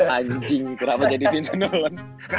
anjing kenapa jadi tinto nolan